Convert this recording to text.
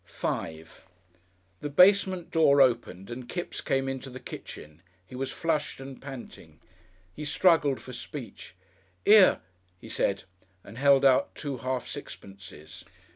§5 The basement door opened and Kipps came into the kitchen. He was flushed and panting. He struggled for speech. "'Ere," he said, and held out two half sixpences.